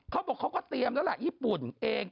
เขาบอกเขาก็เตรียมแล้วล่ะญี่ปุ่นเอง